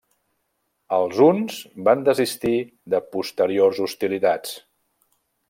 Els huns van desistir de posteriors hostilitats.